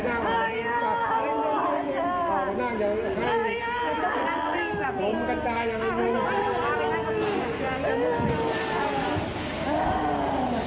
ถึงเลยใช่ต้องเห็นที่มุดตาช้อสุดสิดีของผม